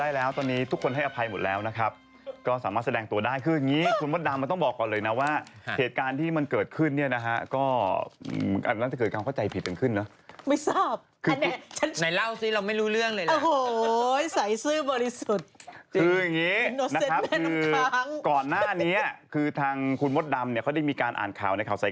อะไรฮะฮ่าฮ่าฮ่าฮ่าฮ่าฮ่าฮ่าฮ่าฮ่าฮ่าฮ่าฮ่าฮ่าฮ่าฮ่าฮ่าฮ่าฮ่าฮ่าฮ่าฮ่าฮ่าฮ่าฮ่าฮ่าฮ่าฮ่าฮ่าฮ่าฮ่าฮ่า